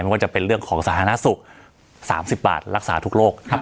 มันก็จะเป็นเรื่องของสาธารณสุขสามสิบบาทรักษาทุกโรคครับ